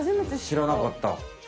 しらなかった。